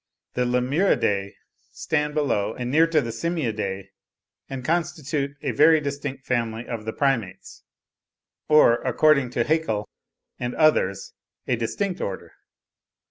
The Lemuridae stand below and near to the Simiadae, and constitute a very distinct family of the primates, or, according to Haeckel and others, a distinct Order.